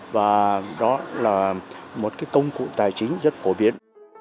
và đó là một cái công cụ tài chính rất phổ biến